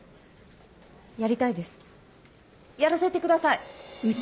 やりたいですやらせてください！